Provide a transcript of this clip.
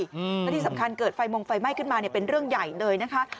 และที่สำคัญเกิดไฟมงไฟไหม้ขึ้นมาเป็นเรื่องใหญ่เลยนะคะ